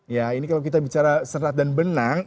ya ini kalau kita bicara serat dan benang